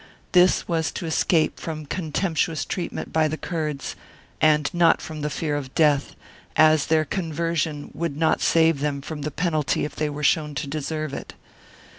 This was to escape from contemptuous treatment by the Kurds, and not from the fear of death, as their con version would not save them from the penalty if they were shown to deserve it.